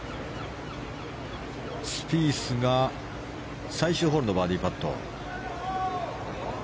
スピースが最終ホールのバーディーパット。